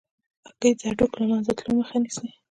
هګۍ د هډوکو له منځه تلو مخه نیسي.